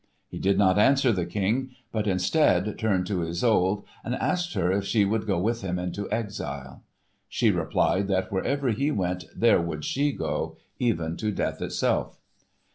He did not answer the King, but, instead, turned to Isolde and asked her if she would go with him into exile. She replied that wherever he went, there would she go, even to death itself.